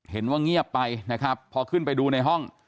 เงียบไปนะครับพอขึ้นไปดูในห้อง